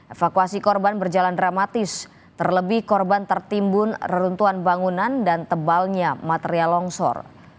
evakuasi korban berjalan dramatis terlebih korban tertimbun reruntuhan bangunan dan tebalnya material longsor